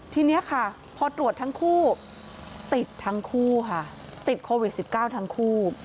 ทีนี้ค่ะพอตรวจทั้งคู่ติดทั้งคู่ค่ะติดโควิด๑๙ทั้งคู่